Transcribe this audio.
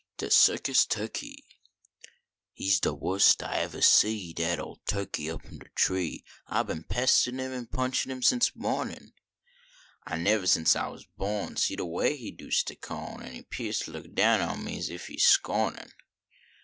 DE CIRCUS TURKEY He s de worst I evah see, Dat old turkey up n de tree, I bin pesta n him n punchin him saince mohnin , I nev" saince I was bo n See de way he do stick on, En he pears to look down at me s if he scornin